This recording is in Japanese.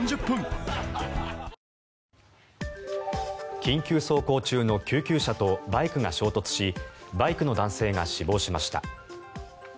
緊急走行中の救急車とバイクが衝突しバイクの男性が死亡しました。